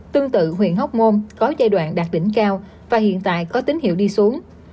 tương tự huyện hóc môn có giai đoạn đạt đỉnh cao và hiện tại có tín hiệu đi xuống